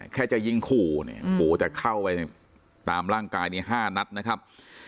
แค่จะยิงขู่เนี่ยโอ้โหแต่เข้าไปตามร่างกายนี้๕นัดนะครับ